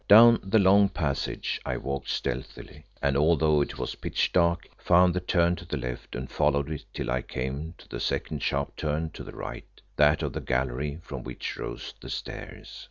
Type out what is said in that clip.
Down the long passage I walked stealthily, and although it was pitch dark, found the turn to the left, and followed it till I came to the second sharp turn to the right, that of the gallery from which rose the stairs.